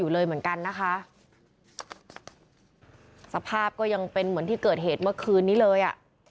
อยู่เลยเหมือนกันนะคะสภาพก็ยังเป็นเหมือนที่เกิดเหตุเมื่อคืนนี้เลยอ่ะ